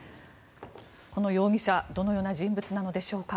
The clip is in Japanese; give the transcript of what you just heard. この容疑者どのような人物なのでしょうか。